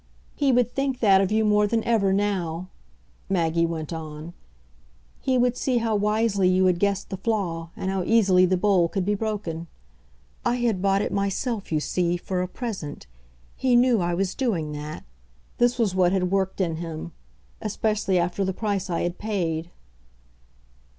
He would think that of you more than ever now," Maggie went on; "he would see how wisely you had guessed the flaw and how easily the bowl could be broken. I had bought it myself, you see, for a present he knew I was doing that. This was what had worked in him especially after the price I had paid."